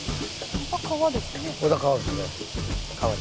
また川ですね。